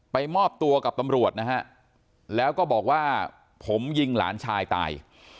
มอบตัวกับตำรวจนะฮะแล้วก็บอกว่าผมยิงหลานชายตาย